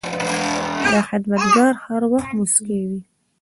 دا خدمتګار هر وخت موسکی وي.